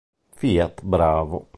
Fiat Bravo